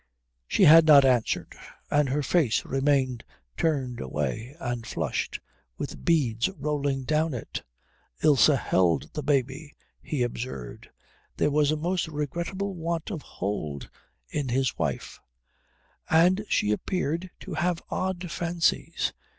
She had not answered, and her face remained turned away and flushed, with beads rolling down it. Ilse held the baby, he observed; there was a most regrettable want of hold in his wife. And she appeared to have odd fancies.